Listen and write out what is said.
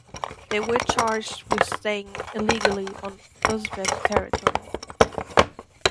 They were charged with staying illegally on Uzbek territory.